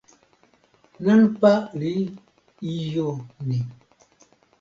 nanpa li ijo ni.